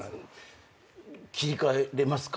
切り替えれますか？